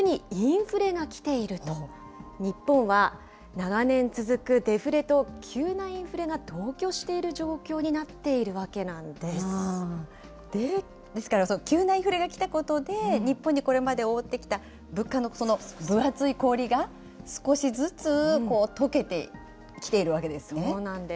つまり、この慢性デフレに加えて、こちら、急にインフレが来ていると、日本は長年続くデフレと急なインフレが同居している状況になですから、急なインフレがきたことで、日本にこれまで覆ってきた物価の分厚い氷が少しずつとそうなんです。